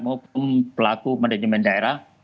maupun pelaku manajemen daerah